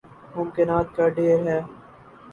ممکنات کا ڈھیر ہے۔